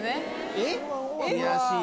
えっ？